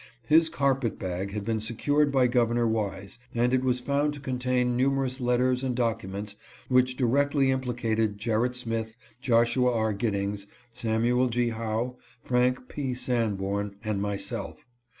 His carpet bag had been secured by Governor Wise, and it was found to contain numerous letters and documents which directly implicated Gerritt Smith, Joshua R. Giddings, Samuel G. Howe, Frank P. Sanborn, and myself.